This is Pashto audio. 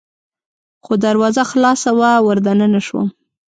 خو دروازه خلاصه وه، ور دننه شوم.